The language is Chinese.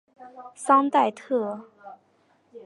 桑代特。